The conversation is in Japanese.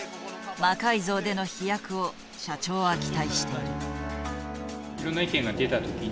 魔改造での飛躍を社長は期待している。